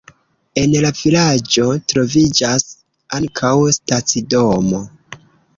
En la vilaĝo troviĝas ankaŭ stacidomo.